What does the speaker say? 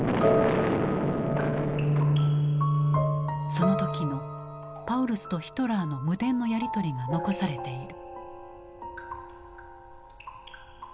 その時のパウルスとヒトラーの無電のやり取りが残されている。